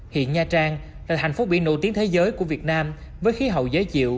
hiện nha trang là thành phố biển nổi tiếng thế giới của việt nam với khí hậu giới chịu